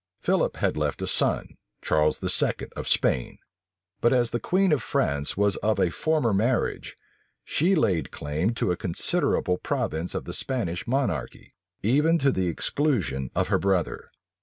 Philip had left a son, Charles II. of Spain; but as the queen of France was of a former marriage, she laid claim to a considerable province of the Spanish monarchy, even to the exclusion of her brother.